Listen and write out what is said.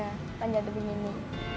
dan menjaga panjang tebing ini